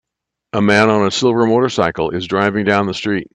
A man on a silver motorcycle is driving down the street.